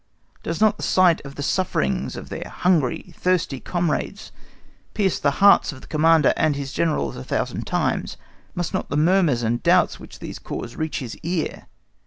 Does not the sight of the sufferings of their hungry, thirsty comrades pierce the hearts of the Commander and his Generals a thousand times? Must not the murmurs and doubts which these cause reach his ear?